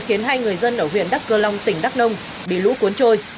khiến hai người dân ở huyện đắc cơ long tỉnh đắc nông bị lũ cuốn trôi